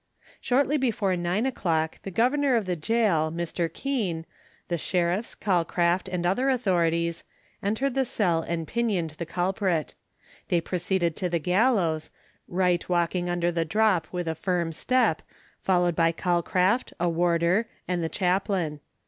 Shortly before nine o'clock the governor of the gaol, Mr. Kean, the sheriffs, Calcraft, and other authorities, entered the cell and pinioned the culprit. They proceeded to the gallows, Wright walking under the drop with a firm step, followed by Calcraft, a warder, and the chaplain.